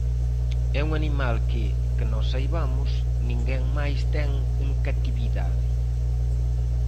É un animal que, que nós saibamos, ninguén máis ten en catividade.